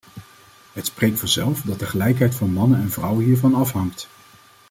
Het spreekt vanzelf dat de gelijkheid van mannen en vrouwen hiervan afhangt.